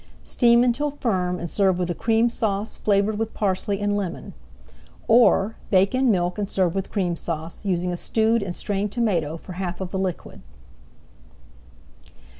Steam until firm and serve with a Cream Sauce flavored with parsley and lemon. Or, bake in milk and serve with Cream Sauce, using stewed and strained tomato for half of the liquid.